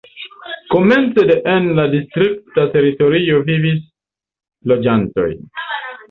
Komence de en la distrikta teritorio vivis loĝantoj.